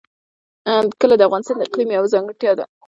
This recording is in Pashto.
کلي د افغانستان د اقلیم یوه ځانګړتیا ده.